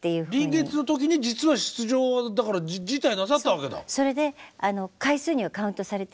臨月の時に実は出場を辞退なさったわけだ。